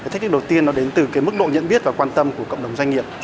thách thức đầu tiên đến từ mức độ nhận biết và quan tâm của cộng đồng doanh nghiệp